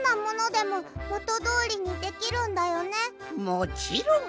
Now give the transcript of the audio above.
もちろん！